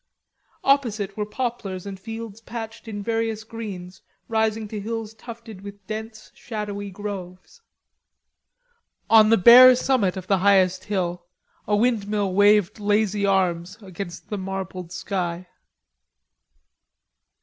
Opposite were poplars and fields patched in various greens rising to hills tufted with dense shadowy groves. On the bare summit of the highest hill a windmill waved lazy arms against the marbled sky.